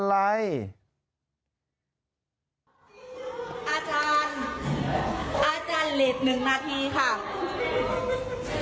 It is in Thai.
อาจารย์อาจารย์เหล็ก๑นาทีค่ะ